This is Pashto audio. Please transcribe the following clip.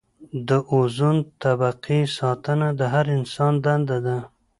د اوزون طبقې ساتنه د هر انسان دنده ده.